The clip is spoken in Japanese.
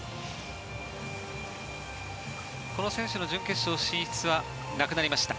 この選手の準決勝進出はなくなりました